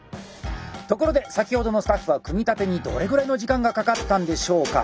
ところで先ほどのスタッフは組み立てにどれぐらいの時間がかかったんでしょうか？